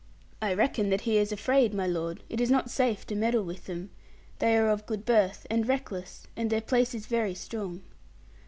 'I reckon that he is afraid, my lord; it is not safe to meddle with them. They are of good birth, and reckless; and their place is very strong.'